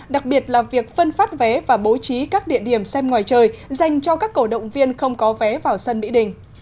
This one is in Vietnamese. đặc biệt là việc phân phát vé và bố trí các địa điểm xem ngoài trời dành cho các cổ động viên không có vé vào sân mỹ đình